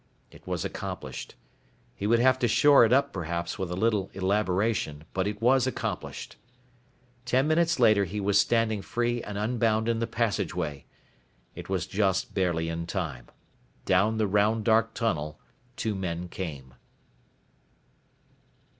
It was accomplished. He would have to shore it up perhaps with a little elaboration, but it was accomplished. Ten minutes later he was standing free and unbound in the passageway. It was just barely in time. Down the round dark tunnel two men came.